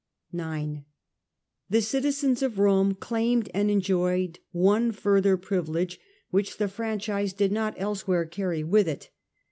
9. The citizens of Rome claimed and enjoyed one further privilege, which the franchise did not elsewhere 9 carry with it.